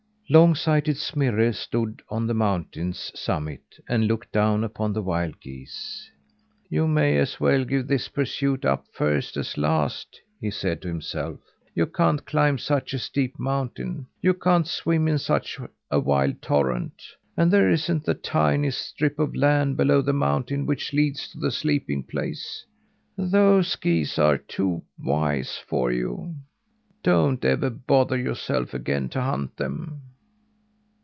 Long sighted Smirre stood on the mountain's summit and looked down upon the wild geese. "You may as well give this pursuit up first as last," he said to himself. "You can't climb such a steep mountain; you can't swim in such a wild torrent; and there isn't the tiniest strip of land below the mountain which leads to the sleeping place. Those geese are too wise for you. Don't ever bother yourself again to hunt them!"